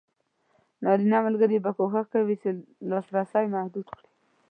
نارینه ملګري به کوښښ کوي چې لاسرسی محدود کړي.